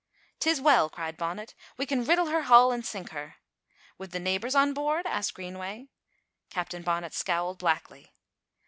"'Tis well!" cried Bonnet, "we can riddle her hull and sink her." "Wi' the neebours on board?" asked Greenway. Captain Bonnet scowled blackly.